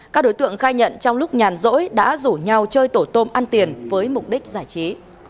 các đối tượng khai nhận trong lúc nhàn rỗi đã rủ nhau chơi tổ tôm ăn tiền với mục đích giải trí